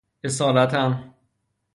اصالتا ً